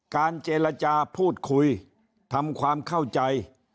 การเจรจาพูดคุยทำความเข้าใจ